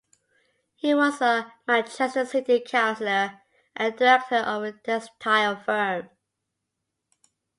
He was a Manchester City Councillor and a director of a textile firm.